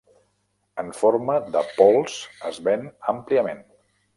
En forma de pols es ven àmpliament.